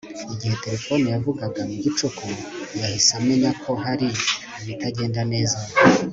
Igihe terefone yavugaga mu gicuku yahise amenya ko hari ibitagenda neza